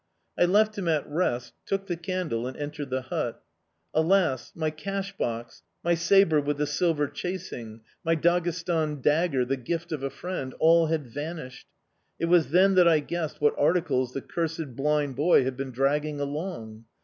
I left him at rest, took the candle, and entered the hut. Alas! my cashbox, my sabre with the silver chasing, my Daghestan dagger the gift of a friend all had vanished! It was then that I guessed what articles the cursed blind boy had been dragging along.